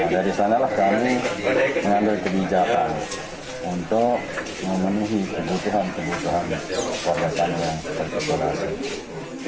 dari sanalah kami mengambil kebijakan untuk memenuhi kebutuhan kebutuhan warga kami yang terkoborasi